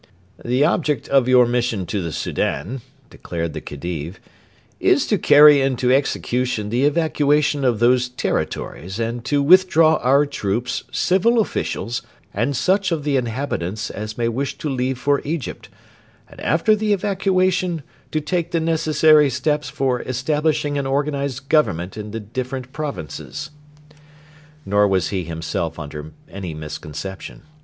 'The object... of your mission to the Soudan,' declared the Khedive, 'is to carry into execution the evacuation of those territories and to withdraw our troops, civil officials, and such of the inhabitants... as may wish to leave for Egypt... and after the evacuation to take the necessary steps for establishing an organised Government in the different provinces.' Nor was he himself under any misconception.